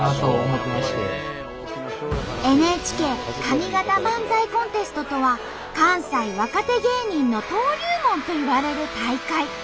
「ＮＨＫ上方漫才コンテスト」とは関西若手芸人の登竜門といわれる大会。